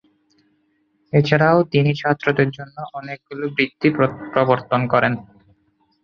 এছাড়াও তিনি ছাত্রদের জন্য অনেকগুলো বৃত্তি প্রবর্তন করেন।